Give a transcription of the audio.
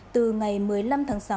từ ngày một mươi năm tháng sáu